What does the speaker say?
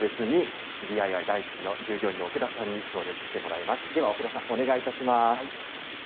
ＤＩＹ大好きの従業員の奥田さんにお話を伺います。